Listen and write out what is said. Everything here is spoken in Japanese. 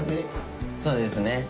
そうですね。